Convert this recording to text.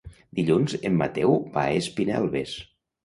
Dilluns en Mateu va a Espinelves.